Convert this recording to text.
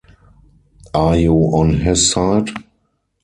Are you on his side?